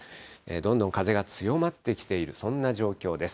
どんどん風が強まってきている、そんな状況です。